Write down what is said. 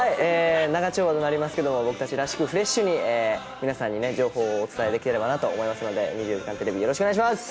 長丁場になりますけれども、僕たちらしくフレッシュに、皆さんにね、情報をお伝えできればなと思いますので、２４時間テレビ、よろしお願いします。